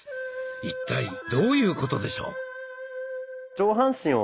一体どういうことでしょう。